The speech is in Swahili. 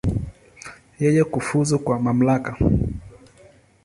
Yeye kufuzu kwa mamlaka.